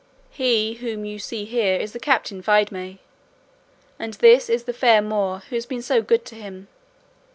He whom you see here is the Captain Viedma, and this is the fair Moor who has been so good to him.